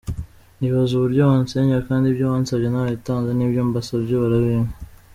Nibaza uburyo bansenyera kandi ibyo bansabye narabitanze n’ ibyo mbasabye barabimpa”.